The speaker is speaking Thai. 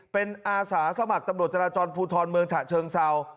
เป็นอาสาสมัครตำรวจจราจรภูทรเมืองฉะเชิงเศร้า